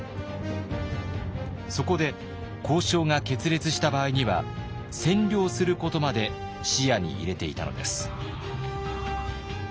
そこで交渉が決裂した場合には占領することまで視野に入れていたのです。